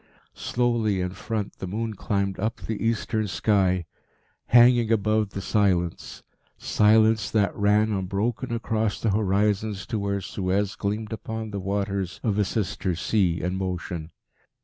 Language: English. Slowly, in front, the moon climbed up the eastern sky, hanging above the silence silence that ran unbroken across the horizons to where Suez gleamed upon the waters of a sister sea in motion.